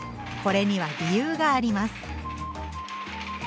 これには理由があります。